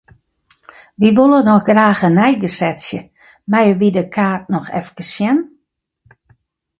Wy wolle noch graach in neigesetsje, meie wy de kaart noch efkes sjen?